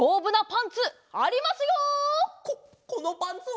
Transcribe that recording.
ここのパンツは！